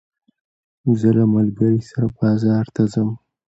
زه له ملګري سره بازار ته ځم.